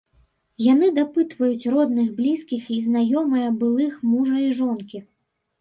Яны дапытваюць родных, блізкіх і знаёмыя былых мужа і жонкі.